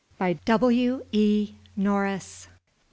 BY W. E. NORBIS.